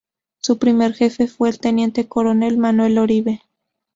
Su primer jefe fue el teniente coronel Manuel Oribe.